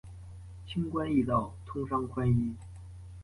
轻关易道，通商宽衣。